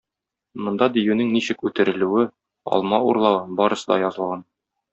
Монда диюнең ничек үтерелүе, алма урлавы - барысы да язылган.